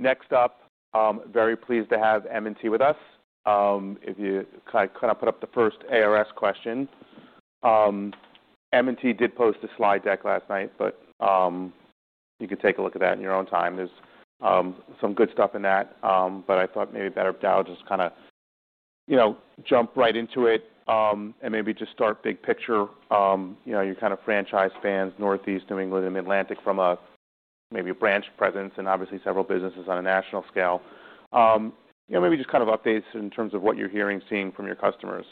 Next up, I'm very pleased to have M&T Bank Corporation with us. If you kind of put up the first ARS question. M&T Bank Corporation did post a slide deck last night, but you could take a look at that in your own time. There's some good stuff in that. I thought maybe better now just kind of, you know, jump right into it and maybe just start big picture. You know, you're kind of franchise spans Northeast, New England, and Atlantic from maybe a branch presence and obviously several businesses on a national scale. You know, maybe just kind of updates in terms of what you're hearing, seeing from your customers.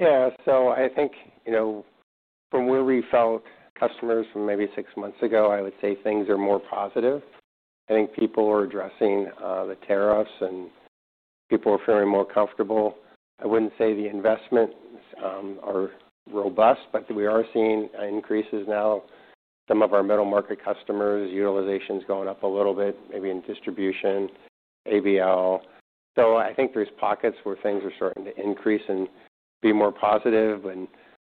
I think, you know, from where we felt customers from maybe six months ago, I would say things are more positive. I think people are addressing the tariffs and people are feeling more comfortable. I wouldn't say the investments are robust, but we are seeing increases now. Some of our middle market customers, utilization is going up a little bit, maybe in distribution, ABL. I think there's pockets where things are starting to increase and be more positive.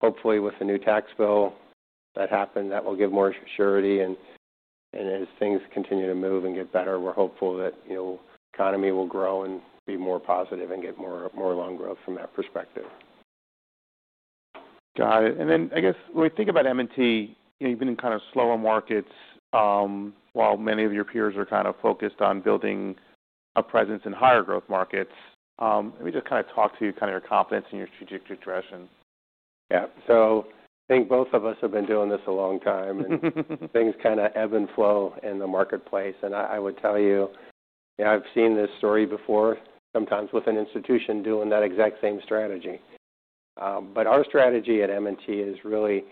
Hopefully with the new tax bill that happened, that will give more security. As things continue to move and get better, we're hopeful that the economy will grow and be more positive and get more loan growth from that perspective. Got it. I guess when we think about M&T Bank Corporation, you've been in kind of slower markets while many of your peers are focused on building a presence in higher growth markets. Let me just talk to you about your confidence in your strategic directions. Yeah, so I think both of us have been doing this a long time and things kind of ebb and flow in the marketplace. I would tell you, you know, I've seen this story before sometimes with an institution doing that exact same strategy. Our strategy at M&T Bank Corporation is really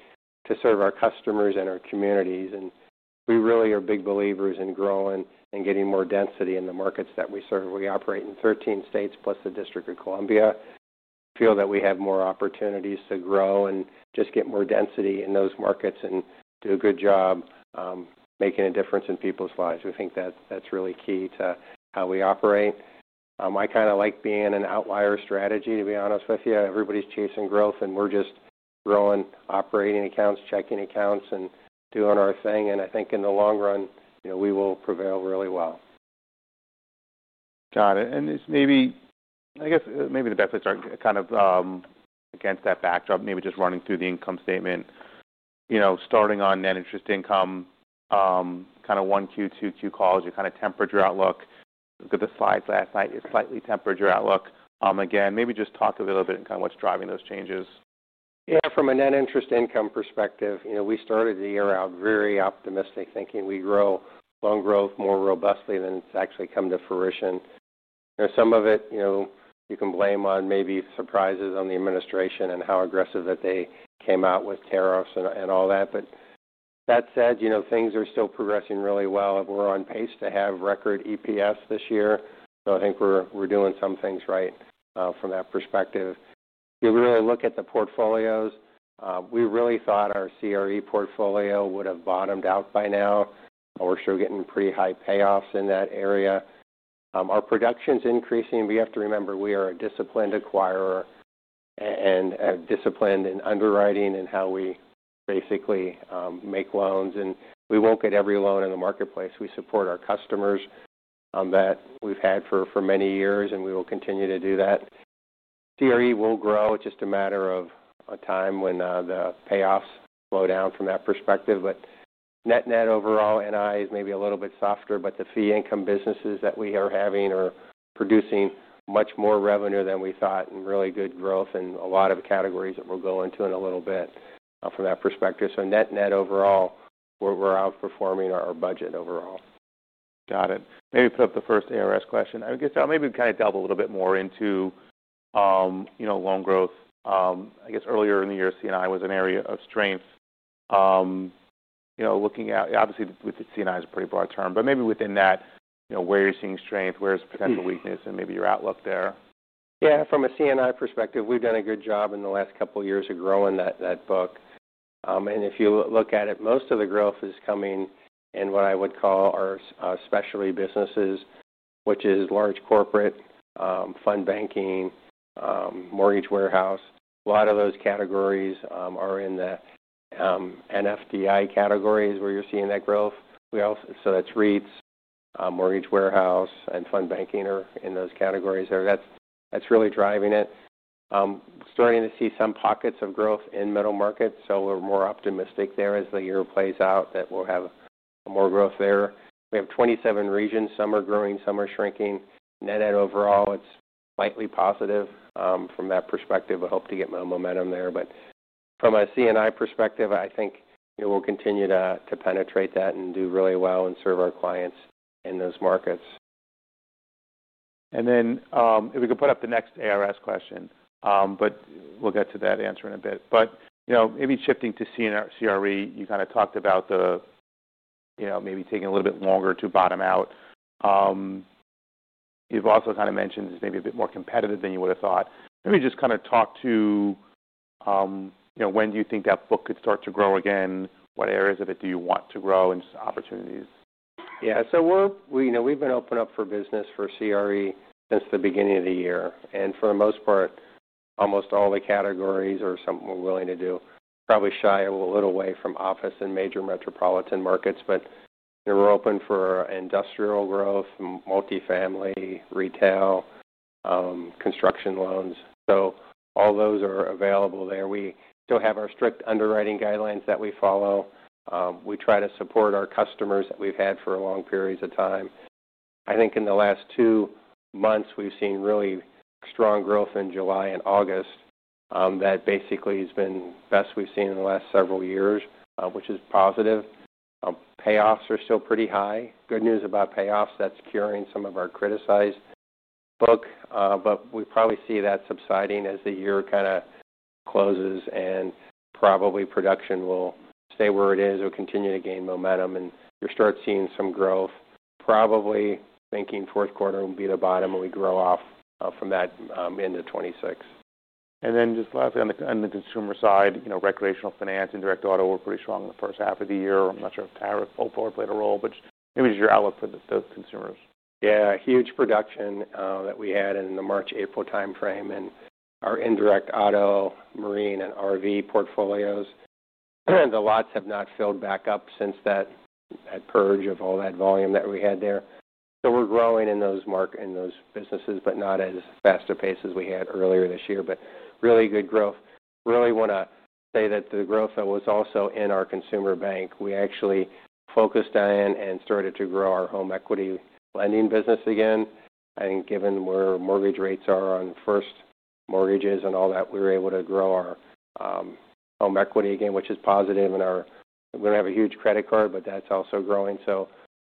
to serve our customers and our communities. We really are big believers in growing and getting more density in the markets that we serve. We operate in 13 states plus the District of Columbia. I feel that we have more opportunities to grow and just get more density in those markets and do a good job making a difference in people's lives. We think that that's really key to how we operate. I kind of like being an outlier strategy, to be honest with you. Everybody's chasing growth and we're just growing, operating accounts, checking accounts, and doing our thing. I think in the long run, you know, we will prevail really well. Got it. Maybe the benefits are kind of against that backdrop, just running through the income statement, starting on net interest income, kind of one Q, two Q calls, your kind of temperature outlook. Look at the slides last night, your slightly temperature outlook. Maybe just talk a little bit and kind of what's driving those changes. Yeah, from a net interest income perspective, you know, we started the year out very optimistic thinking we'd grow loan growth more robustly than it's actually come to fruition. There's some of it, you know, you can blame on maybe surprises on the administration and how aggressive that they came out with tariffs and all that. That said, you know, things are still progressing really well. We're on pace to have record EPS this year. I think we're doing some things right from that perspective. If you really look at the portfolios, we really thought our CRE portfolio would have bottomed out by now. We're still getting pretty high payoffs in that area. Our production is increasing. We have to remember we are a disciplined acquirer and disciplined in underwriting and how we basically make loans. We won't get every loan in the marketplace. We support our customers that we've had for many years and we will continue to do that. CRE will grow. It's just a matter of time when the payoffs slow down from that perspective. Net net overall, net interest income is maybe a little bit softer, but the fee income businesses that we are having are producing much more revenue than we thought and really good growth in a lot of categories that we'll go into in a little bit from that perspective. Net net overall, we're outperforming our budget overall. Got it. Maybe put up the first ARS question. I guess maybe we kind of delve a little bit more into loan growth. I guess earlier in the year, C&I was an area of strength. You know, looking at obviously with the C&I is a pretty broad term, but maybe within that, you know, where you're seeing strength, where's potential weakness, and maybe your outlook there. Yeah, from a C&I perspective, we've done a good job in the last couple of years of growing that book. If you look at it, most of the growth is coming in what I would call our specialty businesses, which is large corporate, fund banking, mortgage warehouse. A lot of those categories are in the NFDI categories where you're seeing that growth. That's REITs, mortgage warehouse, and fund banking are in those categories there. That's really driving it. Starting to see some pockets of growth in middle markets. We're more optimistic there as the year plays out that we'll have more growth there. We have 27 regions. Some are growing, some are shrinking. Net net overall, it's slightly positive from that perspective. We'll hope to get more momentum there. From a C&I perspective, I think we'll continue to penetrate that and do really well and serve our clients in those markets. If we could put up the next ARS question, we'll get to that answer in a bit. Maybe shifting to CRE, you kind of talked about maybe taking a little bit longer to bottom out. You've also kind of mentioned it's maybe a bit more competitive than you would have thought. Maybe just talk to when do you think that book could start to grow again, what areas of it do you want to grow, and opportunities? Yeah, so we've been open up for business for CRE since the beginning of the year. For the most part, almost all the categories are something we're willing to do. Probably shy a little away from office and major metropolitan markets, but we're open for industrial growth, multifamily, retail, construction loans. All those are available there. We still have our strict underwriting guidelines that we follow. We try to support our customers that we've had for long periods of time. I think in the last two months, we've seen really strong growth in July and August that basically has been the best we've seen in the last several years, which is positive. Payoffs are still pretty high. Good news about payoffs, that's curing some of our criticized book, but we probably see that subsiding as the year kind of closes and probably production will stay where it is or continue to gain momentum and you'll start seeing some growth. Probably thinking fourth quarter will be the bottom and we grow off from that into 2026. Lastly, on the consumer side, you know, recreational finance, indirect auto, were pretty strong in the first half of the year. I'm not sure if Tyrick Pollport played a role, but maybe just your outlook for the consumers. Yeah, huge production that we had in the March-April timeframe in our indirect auto, marine, and RV portfolios. The lots have not filled back up since that purge of all that volume that we had there. We're growing in those markets, in those businesses, but not as fast a pace as we had earlier this year. Really good growth. I really want to say that the growth that was also in our consumer bank, we actually focused on and started to grow our home equity lending business again. I think given where mortgage rates are on first mortgages and all that, we were able to grow our home equity again, which is positive. We don't have a huge credit card, but that's also growing.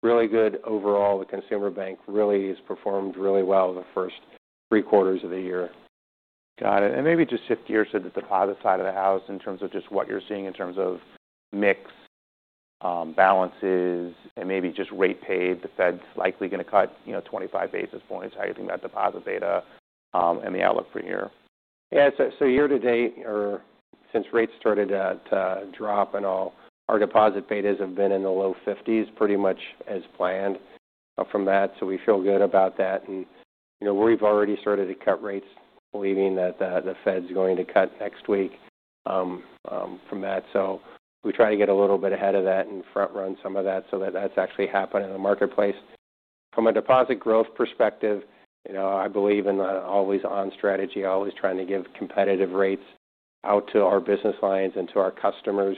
Really good overall. The consumer bank really has performed really well the first three quarters of the year. Got it. Maybe just shift gears to the deposit side of the house in terms of just what you're seeing in terms of mix, balances, and maybe just rate paid. The Fed's likely going to cut, you know, 25 basis points. How do you think that deposit beta, and the outlook for a year? Yeah, so year to date, or since rates started to drop and all, our deposit beta has been in the low 50% pretty much as planned from that. We feel good about that. We've already started to cut rates believing that the Fed's going to cut next week. We try to get a little bit ahead of that and front run some of that so that that's actually happening in the marketplace. From a deposit growth perspective, I believe in the always on strategy, always trying to give competitive rates out to our business lines and to our customers.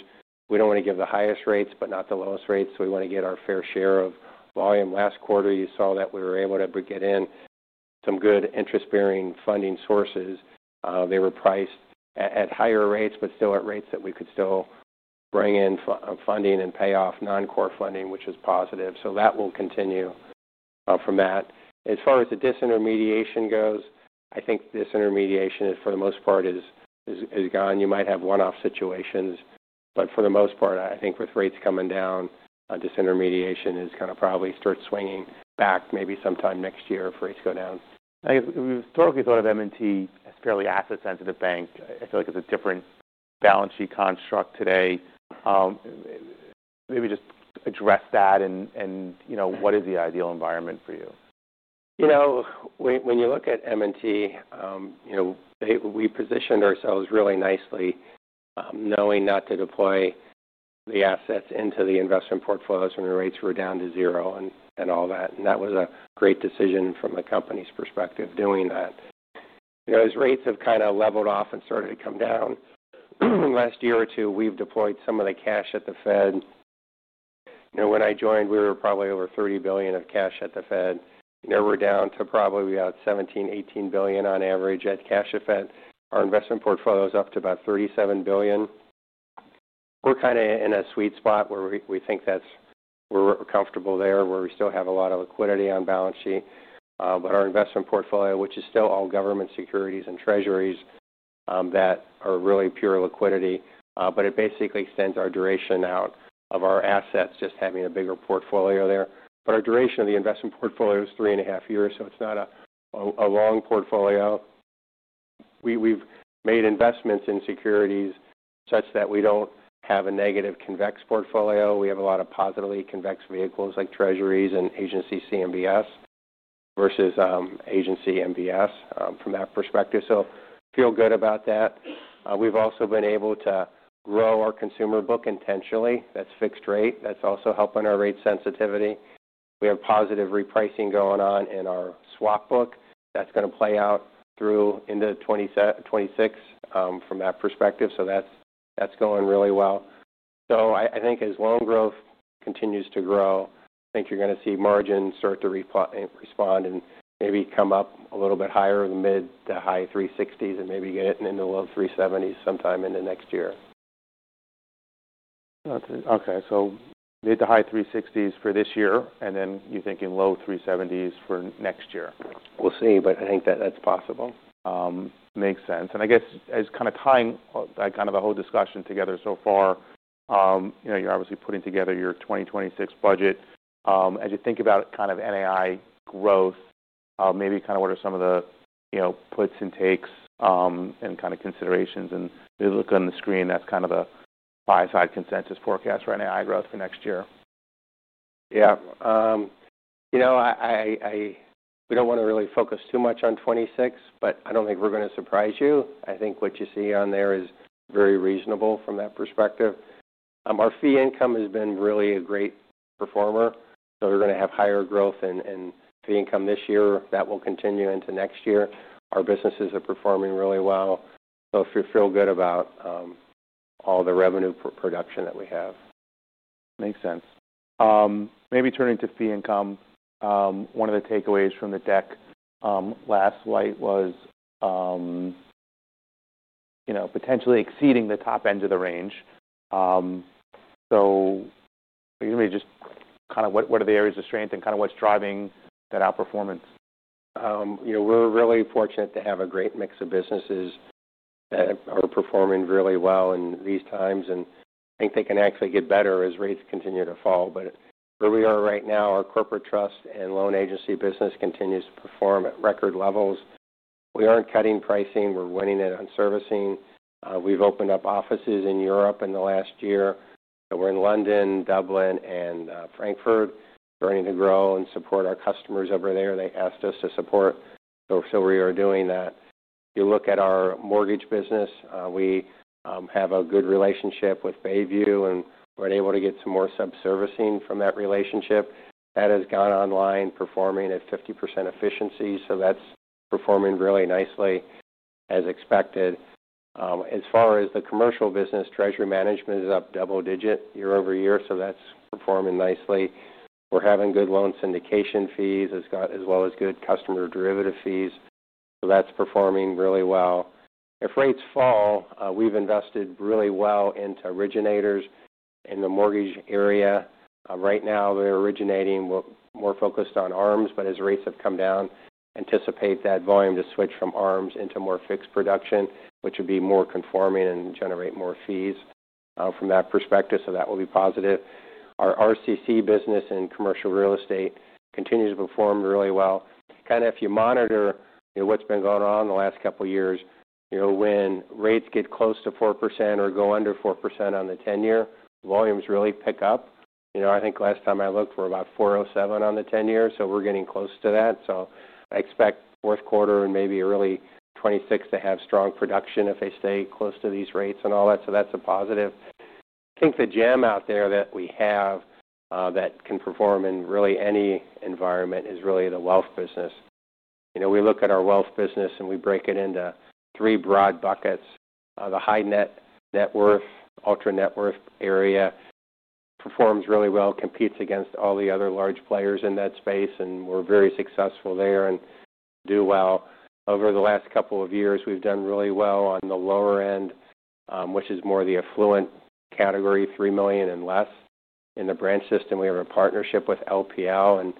We don't want to give the highest rates, but not the lowest rates. We want to get our fair share of volume. Last quarter, you saw that we were able to get in some good interest-bearing funding sources. They were priced at higher rates, but still at rates that we could still bring in funding and pay off non-core funding, which is positive. That will continue. As far as the disintermediation goes, I think disintermediation for the most part is gone. You might have one-off situations, but for the most part, I think with rates coming down, disintermediation is going to probably start swinging back maybe sometime next year if rates go down. I think we've historically thought of M&T Bank Corporation as a fairly asset-sensitive bank. I feel like it's a different balance sheet construct today. Maybe just address that, and you know, what is the ideal environment for you? You know, when you look at M&T Bank Corporation, we positioned ourselves really nicely, knowing not to deploy the assets into the investment portfolios when the rates were down to zero and all that. That was a great decision from the company's perspective doing that. As rates have kind of leveled off and started to come down in the last year or two, we've deployed some of the cash at the Fed. When I joined, we were probably over $30 billion of cash at the Fed. We're down to probably about $17 billion, $18 billion on average at cash at Fed. Our investment portfolio is up to about $37 billion. We're kind of in a sweet spot where we think that's where we're comfortable, where we still have a lot of liquidity on balance sheet, but our investment portfolio, which is still all government securities and treasuries that are really pure liquidity, basically extends our duration out of our assets, just having a bigger portfolio there. Our duration of the investment portfolio is three and a half years, so it's not a long portfolio. We've made investments in securities such that we don't have a negative convex portfolio. We have a lot of positively convex vehicles like treasuries and agency CMBS versus agency MBS from that perspective. I feel good about that. We've also been able to grow our consumer book intentionally. That's fixed rate. That's also helping our rate sensitivity. We have positive repricing going on in our swap book that's going to play out through into 2026 from that perspective. That's going really well. I think as loan growth continues to grow, I think you're going to see margins start to respond and maybe come up a little bit higher in the mid to high 360s and maybe get it into the low 370s sometime in the next year. Okay, mid to high $360 million for this year, and then you think in low $370 million for next year. I think that that's possible. Makes sense. I guess as kind of tying the whole discussion together so far, you're obviously putting together your 2026 budget. As you think about kind of NAI growth, maybe what are some of the puts and takes, and considerations, and maybe look on the screen, that's the buy-side consensus forecast for NAI growth for next year. Yeah, we don't want to really focus too much on 2026, but I don't think we're going to surprise you. I think what you see on there is very reasonable from that perspective. Our fee income has been really a great performer. We're going to have higher growth in fee income this year that will continue into next year. Our businesses are performing really well. I feel good about all the revenue production that we have. Makes sense. Maybe turning to fee income, one of the takeaways from the deck last night was, you know, potentially exceeding the top end of the range. Maybe just kind of what are the areas of strength and kind of what's driving that outperformance? You know, we're really fortunate to have a great mix of businesses that are performing really well in these times. I think they can actually get better as rates continue to fall. Where we are right now, our corporate trust and loan agency business continues to perform at record levels. We aren't cutting pricing. We're winning it on servicing. We've opened up offices in Europe in the last year. We're in London, Dublin, and Frankfurt. We're starting to grow and support our customers over there. They asked us to support, so we are doing that. You look at our mortgage business. We have a good relationship with Bayview, and we're able to get some more sub-servicing from that relationship. That has gone online, performing at 50% efficiency. That's performing really nicely as expected. As far as the commercial business, treasury management is up double digit year over year. That's performing nicely. We're having good loan syndication fees as well as good customer derivative fees. That's performing really well. If rates fall, we've invested really well into originators in the mortgage area. Right now, they're originating more focused on ARMs, but as rates have come down, anticipate that volume to switch from ARMs into more fixed production, which would be more conforming and generate more fees from that perspective. That will be positive. Our RCC business in commercial real estate continues to perform really well. If you monitor what's been going on in the last couple of years, when rates get close to 4% or go under 4% on the 10-year, volumes really pick up. I think last time I looked, we're about 4.07% on the 10-year. We're getting close to that. I expect fourth quarter and maybe early 2026 to have strong production if they stay close to these rates and all that. That's a positive. I think the gem out there that we have, that can perform in really any environment, is really the wealth business. We look at our wealth business and we break it into three broad buckets. The high net worth, ultra net worth area performs really well, competes against all the other large players in that space, and we're very successful there and do well. Over the last couple of years, we've done really well on the lower end, which is more the affluent category, $3 million and less. In the branch system, we have a partnership with LPL and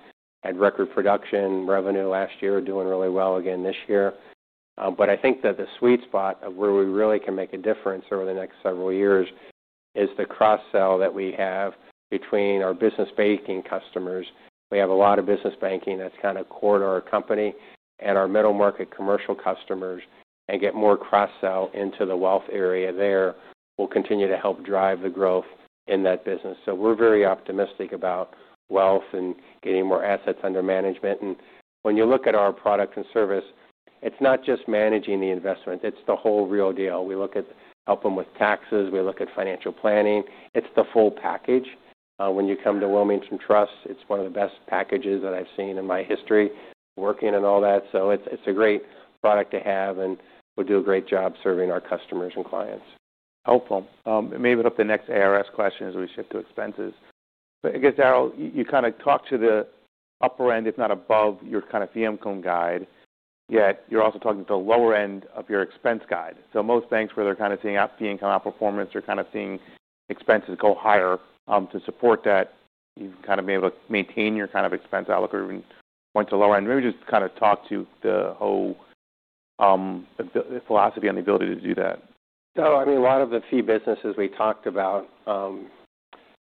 had record production revenue last year, doing really well again this year. I think that the sweet spot of where we really can make a difference over the next several years is the cross-sell that we have between our business banking customers. We have a lot of business banking that's kind of core to our company and our middle market commercial customers and get more cross-sell into the wealth area there. We'll continue to help drive the growth in that business. We are very optimistic about wealth and getting more assets under management. When you look at our product and service, it's not just managing the investments, it's the whole real deal. We look at helping with taxes, we look at financial planning, it's the full package. When you come to Wilmington Trust, it's one of the best packages that I've seen in my history working and all that. It's a great product to have and we'll do a great job serving our customers and clients. Helpful. Maybe up the next ARS question as we shift to expenses. I guess, Daryl, you kind of talk to the upper end, if not above your kind of fee income guide, yet you're also talking to the lower end of your expense guide. Most banks where they're kind of seeing fee income outperformance are kind of seeing expenses go higher to support that. You've kind of been able to maintain your kind of expense outlook or even point to the lower end. Maybe just kind of talk to the whole philosophy and the ability to do that. Oh, I mean, a lot of the fee businesses we talked about,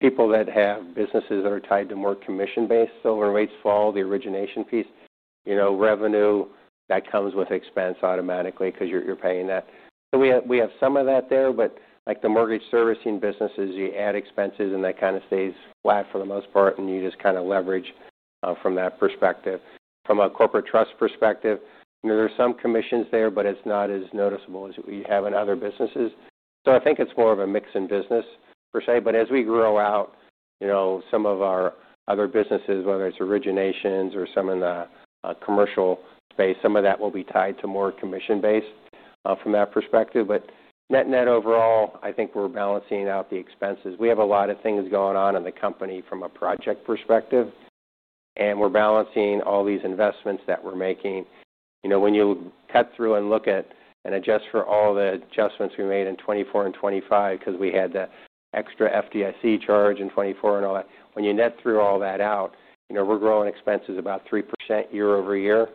people that have businesses that are tied to more commission base. When rates fall, the origination fees, you know, revenue that comes with expense automatically because you're paying that. We have some of that there, but like the mortgage servicing businesses, you add expenses and that kind of stays flat for the most part, and you just kind of leverage from that perspective. From a corporate trust perspective, there are some commissions there, but it's not as noticeable as we have in other businesses. I think it's more of a mix in business per se. As we grow out some of our other businesses, whether it's originations or some in the commercial space, some of that will be tied to more commission base from that perspective. Net net overall, I think we're balancing out the expenses. We have a lot of things going on in the company from a project perspective, and we're balancing all these investments that we're making. When you cut through and look at and adjust for all the adjustments we made in 2024 and 2025 because we had the extra FDIC charge in 2024 and all that, when you net through all that out, we're growing expenses about 3% year over year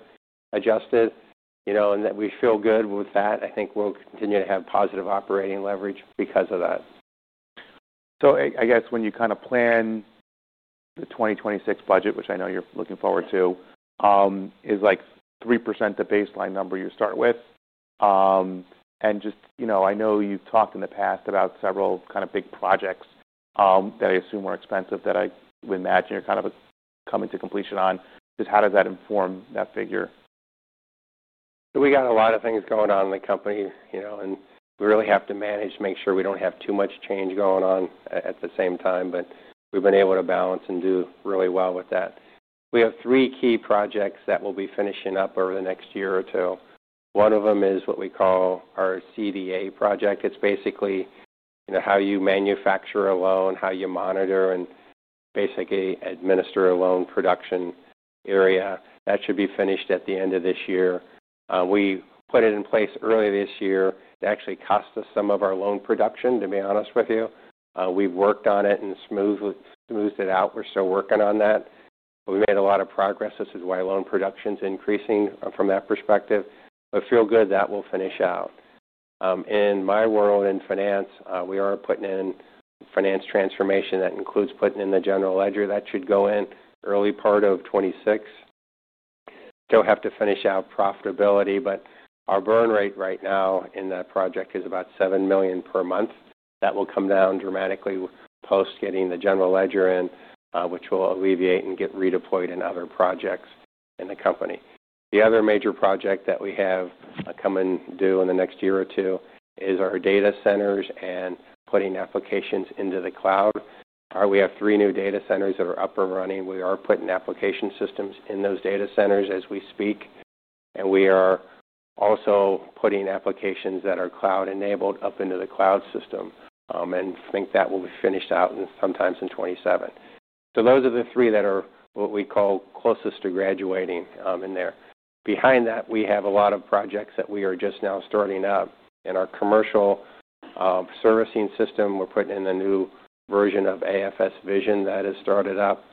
adjusted, and we feel good with that. I think we'll continue to have positive operating leverage because of that. When you kind of plan the 2026 budget, which I know you're looking forward to, is 3% the baseline number you start with? I know you've talked in the past about several kind of big projects that I assume are expensive that I would imagine you're kind of coming to completion on. How does that inform that figure? We got a lot of things going on in the company, you know, and we really have to manage to make sure we don't have too much change going on at the same time. We've been able to balance and do really well with that. We have three key projects that we'll be finishing up over the next year or two. One of them is what we call our CDA project. It's basically, you know, how you manufacture a loan, how you monitor and basically administer a loan production area. That should be finished at the end of this year. We put it in place early this year. It actually cost us some of our loan production, to be honest with you. We worked on it and smoothed it out. We're still working on that. We made a lot of progress. This is why loan production is increasing from that perspective. I feel good that we'll finish out. In my world in finance, we are putting in finance transformation that includes putting in the general ledger. That should go in early part of 2026. Don't have to finish out profitability, but our burn rate right now in that project is about $7 million per month. That will come down dramatically post getting the general ledger in, which will alleviate and get redeployed in other projects in the company. The other major project that we have coming due in the next year or two is our data centers and putting applications into the cloud. We have three new data centers that are up and running. We are putting application systems in those data centers as we speak. We are also putting applications that are cloud-enabled up into the cloud system. I think that will be finished out sometime in 2027. Those are the three that are what we call closest to graduating in there. Behind that, we have a lot of projects that we are just now starting up in our commercial servicing system. We're putting in a new version of AFS Vision that is started up.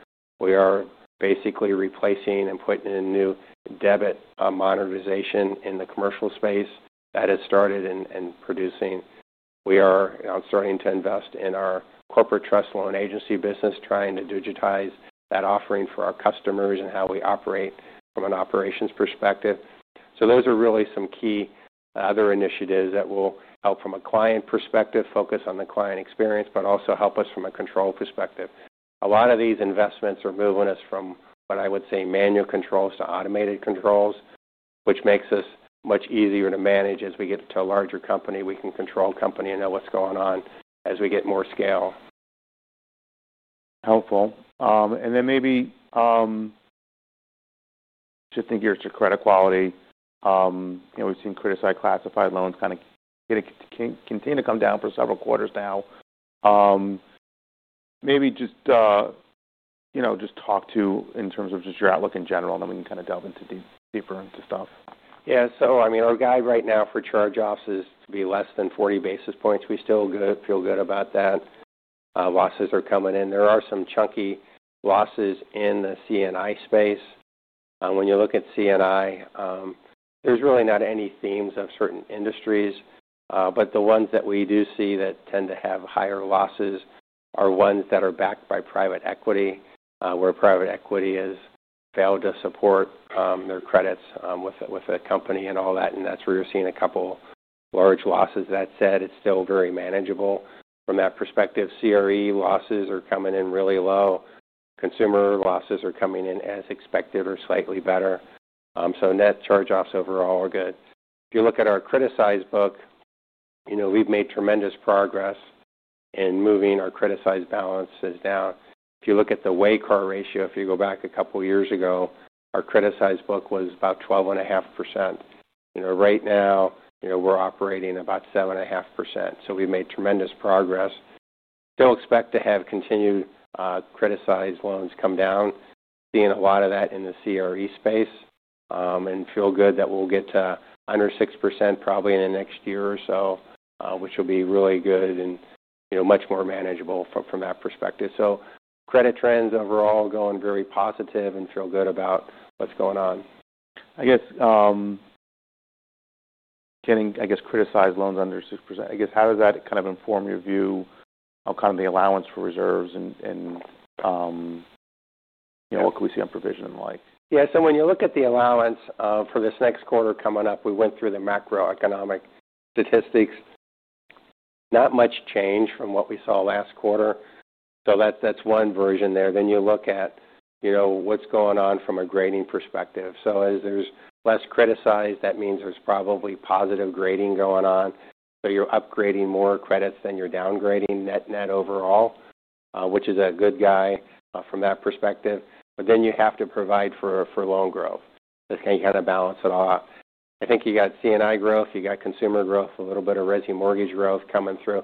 We are basically replacing and putting in new debit monetization in the commercial space that has started and producing. We are starting to invest in our corporate trust loan agency business, trying to digitize that offering for our customers and how we operate from an operations perspective. Those are really some key other initiatives that will help from a client perspective, focus on the client experience, but also help us from a control perspective. A lot of these investments are moving us from what I would say manual controls to automated controls, which makes us much easier to manage as we get to a larger company. We can control the company and know what's going on as we get more scale. Helpful. Maybe just think your credit quality. You know, we've seen criticized classified loans kind of continue to come down for several quarters now. Maybe just, you know, just talk to in terms of just your outlook in general, and then we can kind of delve deeper into stuff. Yeah, so I mean, our guide right now for charge-offs is to be less than 40 basis points. We still feel good about that. Losses are coming in. There are some chunky losses in the C&I space. When you look at C&I, there's really not any themes of certain industries, but the ones that we do see that tend to have higher losses are ones that are backed by private equity, where private equity has failed to support their credits with the company and all that. That's where you're seeing a couple large losses. That said, it's still very manageable from that perspective. CRE losses are coming in really low. Consumer losses are coming in as expected or slightly better. Net charge-offs overall are good. If you look at our criticized book, we've made tremendous progress in moving our criticized balances down. If you look at the way car ratio, if you go back a couple of years ago, our criticized book was about 12.5%. Right now, we're operating about 7.5%. We've made tremendous progress. I still expect to have continued criticized loans come down, seeing a lot of that in the CRE space, and feel good that we'll get to under 6% probably in the next year or so, which will be really good and much more manageable from that perspective. Credit trends overall going very positive and feel good about what's going on. Getting criticized loans under 6%, how does that kind of inform your view on the allowance for reserves and what can we see on provision and the like? Yeah, so when you look at the allowance for this next quarter coming up, we went through the macroeconomic statistics. Not much change from what we saw last quarter. That's one version there. You look at, you know, what's going on from a grading perspective. As there's less criticized, that means there's probably positive grading going on. You're upgrading more credits than you're downgrading net net overall, which is a good guy from that perspective. You have to provide for loan growth. That's how you got to balance it all out. I think you got C&I growth, you got consumer growth, a little bit of resi mortgage growth coming through.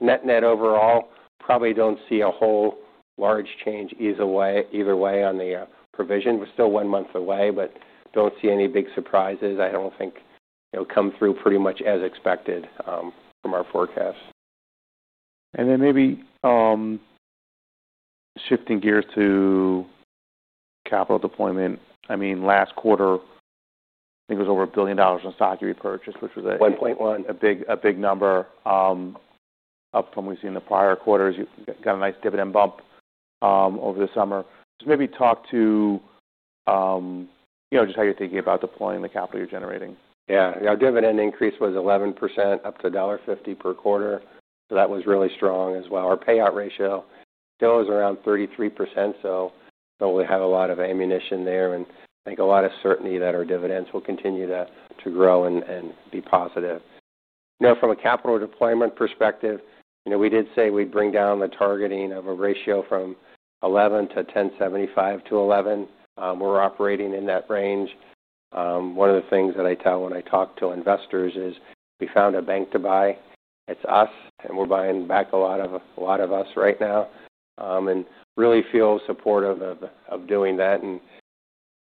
Net net overall, probably don't see a whole large change either way on the provision. We're still one month away, but don't see any big surprises. I don't think it'll come through pretty much as expected, from our forecasts. Maybe, shifting gears to capital deployment. Last quarter, I think it was over $1 billion in stock you repurchased, which was $1.1 billion, a big number, up from what we've seen the prior quarters. You got a nice dividend bump over the summer. Just maybe talk to how you're thinking about deploying the capital you're generating. Yeah, our dividend increase was 11% up to $1.50 per quarter. That was really strong as well. Our payout ratio still is around 33%, so we have a lot of ammunition there, and I think a lot of certainty that our dividends will continue to grow and be positive. You know, from a capital deployment perspective, we did say we'd bring down the targeting of a ratio from 11 to 10.75 to 11. We're operating in that range. One of the things that I tell when I talk to investors is we found a bank to buy. It's us, and we're buying back a lot of us right now. I really feel supportive of doing that.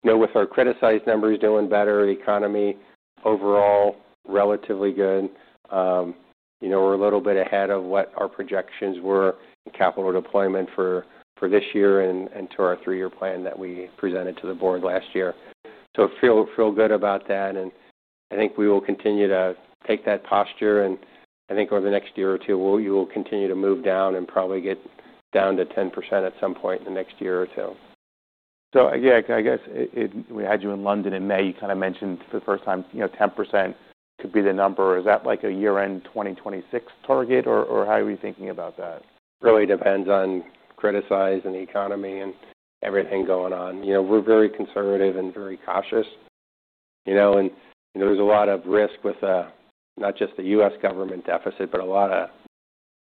With our criticized numbers doing better, the economy overall relatively good, we're a little bit ahead of what our projections were in capital deployment for this year and to our three-year plan that we presented to the board last year. I feel good about that. I think we will continue to take that posture. I think over the next year or two, you will continue to move down and probably get down to 10% at some point in the next year or two. I guess we had you in London in May. You kind of mentioned for the first time, you know, 10% could be the number. Is that like a year-end 2026 target or how are you thinking about that? Really depends on credit and the economy and everything going on. You know, we're very conservative and very cautious. You know, there's a lot of risk with not just the U.S. government deficit, but a lot of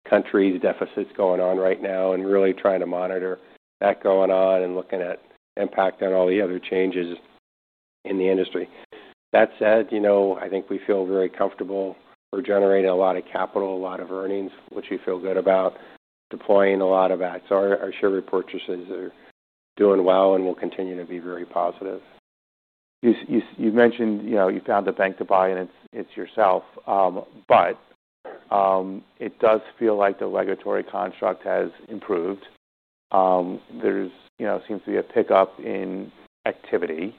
countries' deficits going on right now and really trying to monitor that going on and looking at the impact on all the other changes in the industry. That said, you know, I think we feel very comfortable. We're generating a lot of capital, a lot of earnings, which we feel good about deploying a lot of that. Our share repurchases are doing well and will continue to be very positive. You mentioned you found a bank to buy and it's yourself. It does feel like the regulatory construct has improved. There seems to be a pickup in activity.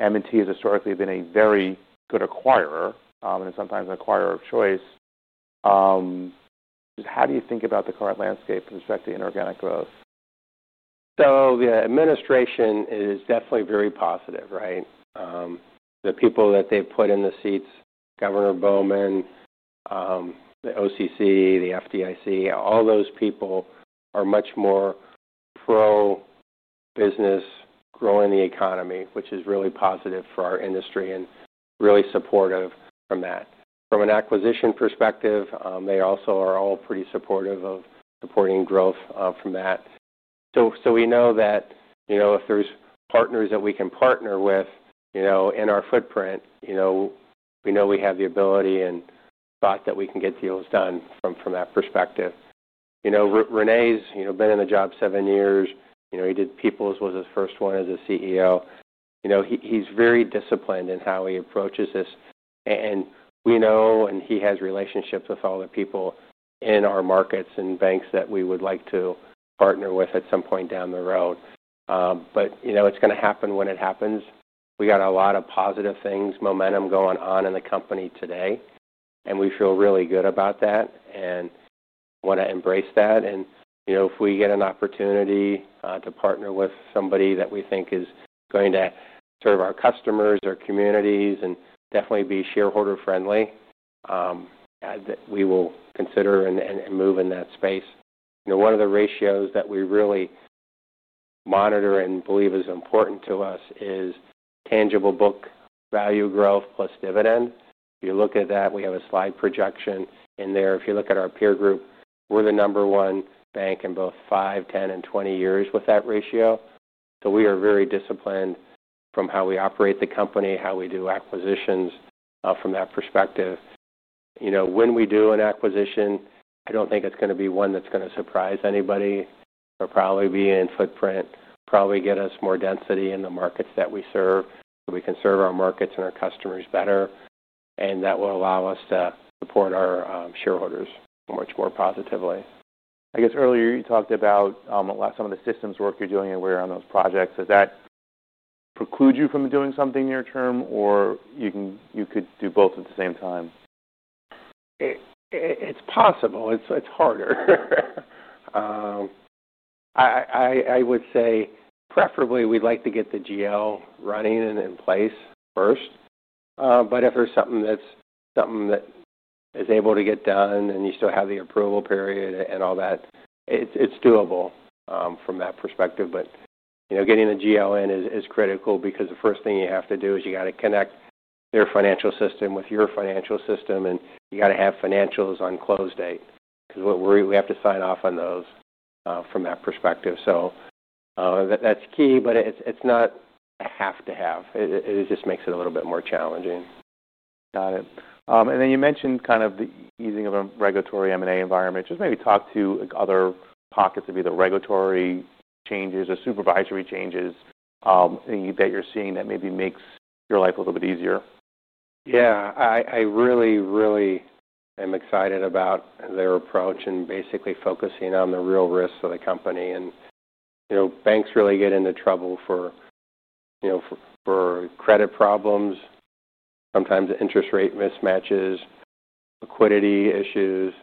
M&T Bank Corporation has historically been a very good acquirer and is sometimes an acquirer of choice. Just how do you think about the current landscape with respect to inorganic growth? The administration is definitely very positive, right? The people that they've put in the seats, Governor Bowman, the OCC, the FDIC, all those people are much more pro-business, growing the economy, which is really positive for our industry and really supportive from that. From an acquisition perspective, they also are all pretty supportive of supporting growth from that. We know that if there's partners that we can partner with in our footprint, we know we have the ability and thought that we can get deals done from that perspective. René's been in the job seven years. He did People's, was his first one as a CEO. He's very disciplined in how he approaches this. We know he has relationships with all the people in our markets and banks that we would like to partner with at some point down the road. It's going to happen when it happens. We got a lot of positive things, momentum going on in the company today. We feel really good about that and want to embrace that. If we get an opportunity to partner with somebody that we think is going to serve our customers, their communities, and definitely be shareholder-friendly, we will consider and move in that space. One of the ratios that we really monitor and believe is important to us is tangible book value growth plus dividend. You look at that, we have a slide projection in there. If you look at our peer group, we're the number one bank in both five, 10, and 20 years with that ratio. We are very disciplined from how we operate the company, how we do acquisitions from that perspective. When we do an acquisition, I don't think it's going to be one that's going to surprise anybody. It'll probably be in footprint, probably get us more density in the markets that we serve so we can serve our markets and our customers better. That will allow us to support our shareholders much more positively. Earlier you talked about a lot of the systems work you're doing and where you are on those projects. Does that preclude you from doing something near-term, or could you do both at the same time? It's possible. It's harder. I would say preferably we'd like to get the GL running in place first. If there's something that is able to get done and you still have the approval period and all that, it's doable from that perspective. Getting the GL in is critical because the first thing you have to do is you got to connect their financial system with your financial system and you got to have financials on close date because we have to sign off on those from that perspective. That's key, but it's not a have-to-have. It just makes it a little bit more challenging. Got it. You mentioned kind of the easing of a regulatory M&A environment. Maybe talk to other pockets of either regulatory changes or supervisory changes that you're seeing that maybe make your life a little bit easier. Yeah, I really, really am excited about their approach and basically focusing on the real risks of the company. You know, banks really get into trouble for credit problems, sometimes interest rate mismatches, liquidity issues.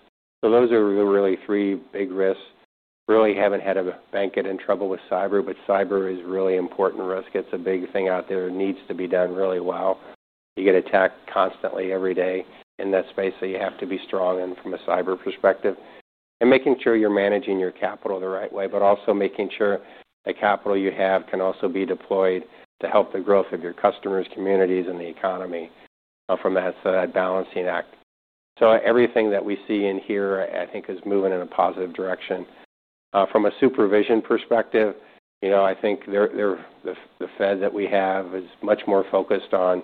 Those are really three big risks. Really haven't had a bank get in trouble with cyber, but cyber is really important. Risk, it's a big thing out there. It needs to be done really well. You get attacked constantly every day in that space, so you have to be strong from a cyber perspective and making sure you're managing your capital the right way, but also making sure the capital you have can also be deployed to help the growth of your customers, communities, and the economy. From that side, balancing that. Everything that we see in here, I think, is moving in a positive direction. From a supervision perspective, I think the Fed that we have is much more focused on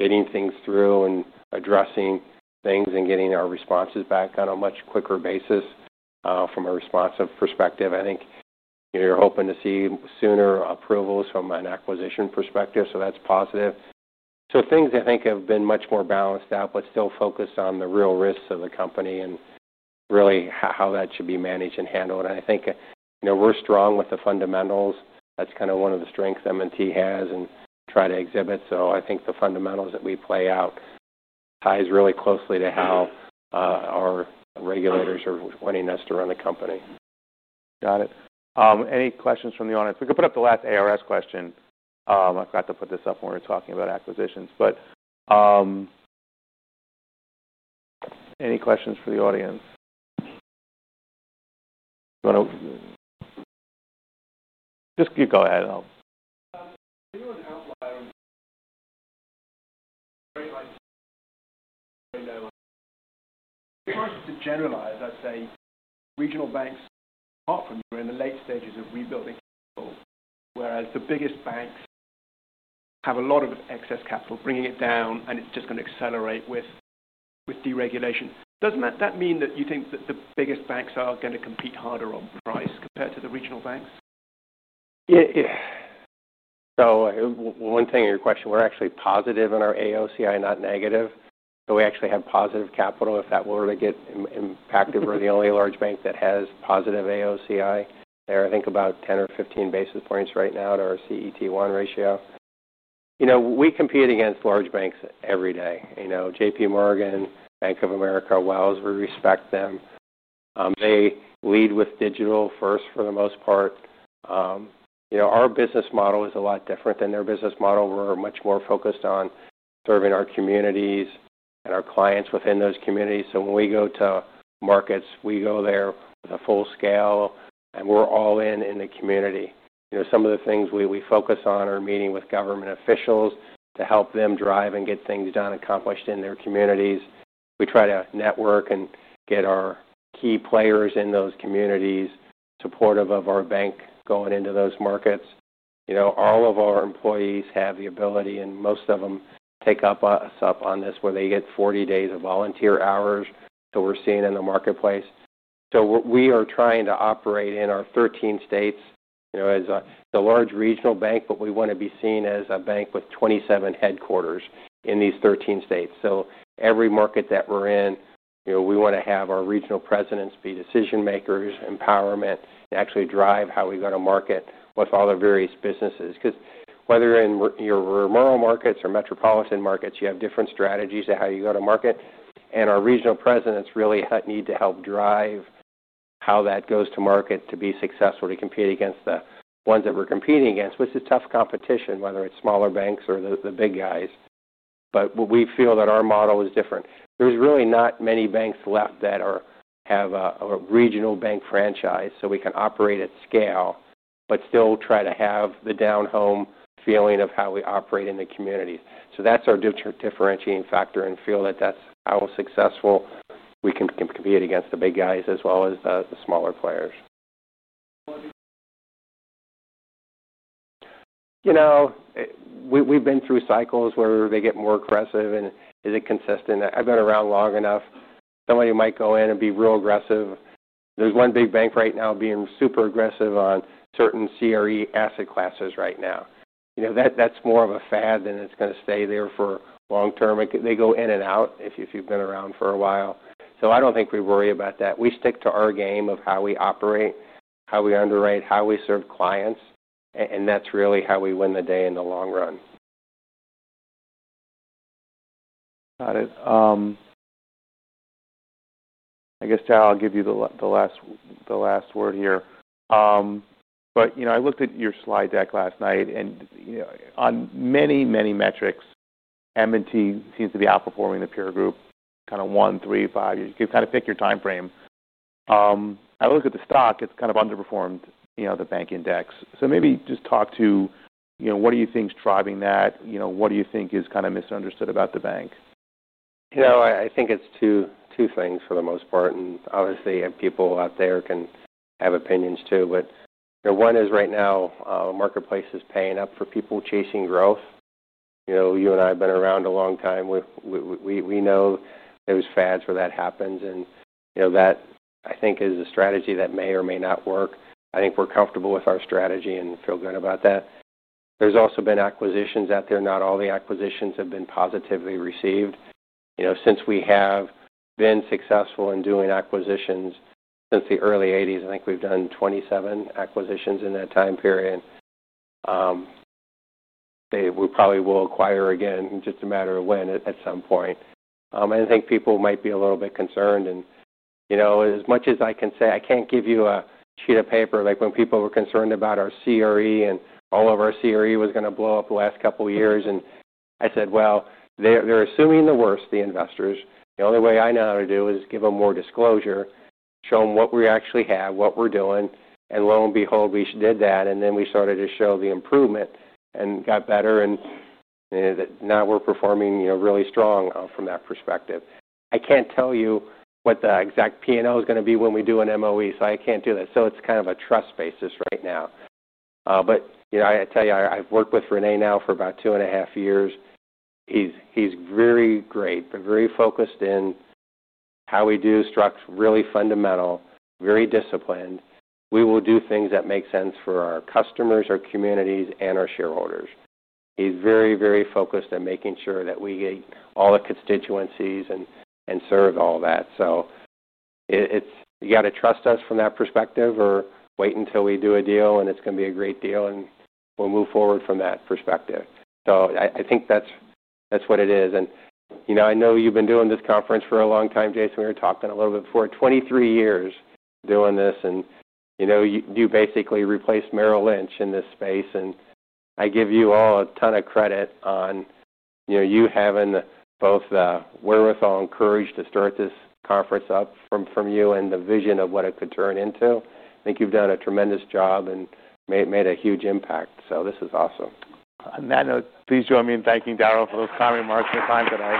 getting things through and addressing things and getting our responses back on a much quicker basis. From a responsive perspective, I think you're hoping to see sooner approvals from an acquisition perspective. That's positive. Things I think have been much more balanced out, but still focused on the real risks of the company and really how that should be managed and handled. I think we're strong with the fundamentals. That's kind of one of the strengths M&T Bank Corporation has and try to exhibit. I think the fundamentals that we play out tie really closely to how our regulators are wanting us to run the company. Got it. Any questions from the audience? We could put up the last ARS question. I forgot to put this up when we were talking about acquisitions. Any questions for the audience? Just keep going ahead. As far as to generalize, I'd say regional banks are often in the late stages of rebuilding capital, whereas the biggest banks have a lot of excess capital bringing it down, and it's just going to accelerate with deregulation. Doesn't that mean that you think that the biggest banks are going to compete harder on price compared to the regional banks? One thing in your question, we're actually positive in our AOCI, not negative. We actually have positive capital if that were to get impacted. We're the only large bank that has positive AOCI. They're, I think, about 10 or 15 basis points right now to our CET1 ratio. We compete against large banks every day. JP Morgan, Bank of America, Wells, we respect them. They lead with digital first for the most part. Our business model is a lot different than their business model. We're much more focused on serving our communities and our clients within those communities. When we go to markets, we go there with a full scale, and we're all in in the community. Some of the things we focus on are meeting with government officials to help them drive and get things accomplished in their communities. We try to network and get our key players in those communities supportive of our bank going into those markets. All of our employees have the ability, and most of them take us up on this, where they get 40 days of volunteer hours that we're seeing in the marketplace. We are trying to operate in our 13 states as a large regional bank, but we want to be seen as a bank with 27 headquarters in these 13 states. Every market that we're in, we want to have our regional presidents be decision makers, empowerment, and actually drive how we go to market with all the various businesses. Whether you're in your rural markets or metropolitan markets, you have different strategies of how you go to market. Our regional presidents really need to help drive how that goes to market to be successful, to compete against the ones that we're competing against, which is a tough competition, whether it's smaller banks or the big guys. We feel that our model is different. There's really not many banks left that have a regional bank franchise so we can operate at scale, but still try to have the down-home feeling of how we operate in the community. That's our differentiating factor and feel that that's how successful we can compete against the big guys as well as the smaller players. We've been through cycles where they get more aggressive and is it consistent? I've been around long enough. Somebody might go in and be real aggressive. There's one big bank right now being super aggressive on certain CRE asset classes right now. You know, that's more of a fad than it's going to stay there for long term. They go in and out if you've been around for a while. I don't think we worry about that. We stick to our game of how we operate, how we underwrite, how we serve clients, and that's really how we win the day in the long run. Got it. I guess I'll give you the last word here. You know, I looked at your slide deck last night and, you know, on many, many metrics, M&T Bank Corporation seems to be outperforming the peer group kind of one, three, five years. You can kind of pick your timeframe. I looked at the stock, it's kind of underperformed, you know, the bank index. Maybe just talk to, you know, what do you think is driving that? You know, what do you think is kind of misunderstood about the bank? I think it's two things for the most part. Obviously, people out there can have opinions too, but one is right now, marketplace is paying up for people chasing growth. You and I have been around a long time. We know there are fads where that happens. That, I think, is a strategy that may or may not work. I think we're comfortable with our strategy and feel good about that. There's also been acquisitions out there. Not all the acquisitions have been positively received. Since we have been successful in doing acquisitions since the early 1980s, I think we've done 27 acquisitions in that time period. We probably will acquire again, just a matter of when at some point. I think people might be a little bit concerned. As much as I can say, I can't give you a sheet of paper like when people were concerned about our CRE and all of our CRE was going to blow up the last couple of years. I said they're assuming the worst, the investors. The only way I know how to do it is give them more disclosure, show them what we actually have, what we're doing. Lo and behold, we did that. Then we started to show the improvement and got better. Now we're performing really strong from that perspective. I can't tell you what the exact P&L is going to be when we do an MOE, so I can't do that. It's kind of a trust basis right now. I tell you, I've worked with René Jones now for about two and a half years. He's very great, but very focused in how we do structure, really fundamental, very disciplined. We will do things that make sense for our customers, our communities, and our shareholders. He's very, very focused on making sure that we get all the constituencies and serve all that. You got to trust us from that perspective or wait until we do a deal and it's going to be a great deal and we'll move forward from that perspective. I think that's what it is. I know you've been doing this conference for a long time, Jason. We were talking a little bit before, 23 years doing this. You basically replaced Merrill Lynch in this space. I give you all a ton of credit on you having both the wherewithal and courage to start this conference up from you and the vision of what it could turn into. I think you've done a tremendous job and made a huge impact. This is awesome. Please join me in thanking Daryl N. Bible for the time and marketing time today.